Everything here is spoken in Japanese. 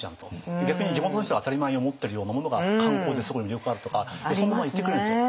で逆に地元の人が当たり前に思ってるようなものが観光ですごい魅力があるとかよそ者は言ってくるんですよ。